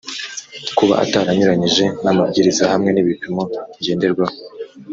kuba ataranyuranyije n’amabwiriza hamwe n’ibipimo ngenderwaho